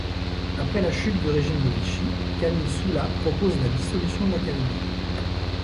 Après la chute du régime de Vichy, Camille Soula propose la dissolution de l’académie.